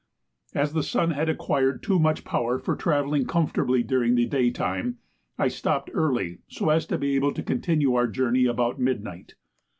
As the sun had acquired too much power for travelling comfortably during the day time, I stopped early so as to be able to continue our journey about midnight.